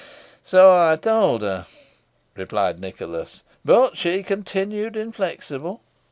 "So I told her," replied Nicholas "but she continued inflexible.